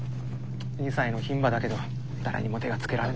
２歳の牝馬だけど誰にも手がつけられない。